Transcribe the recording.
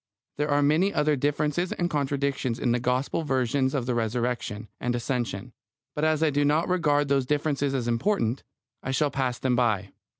There are many other differences and contradictions in the Gospel versions of the Resurrection and Ascension; but as I do not regard those differences as important, I shall pass them by.